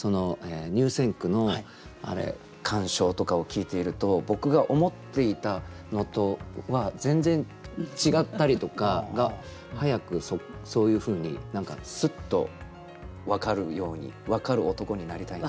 入選句の鑑賞とかを聞いていると僕が思っていたのとは全然違ったりとかが早くそういうふうにスッと分かるように分かる男になりたいなと。